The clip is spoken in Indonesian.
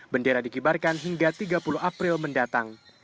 bendera dikibarkan hingga tiga puluh april mendatang